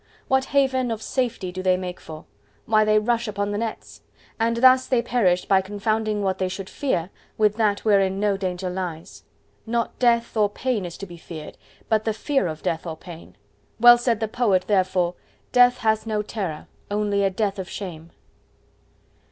What haven of safety do they make for? Why, they rush upon the nets! And thus they perish by confounding what they should fear with that wherein no danger lies. ... Not death or pain is to be feared, but the fear of death or pain. Well said the poet therefore:— Death has no terror; only a Death of shame!